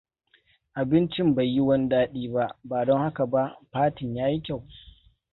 Abincin bai yi wani dadi ba, ba don haka ba fatin ya yi kyau.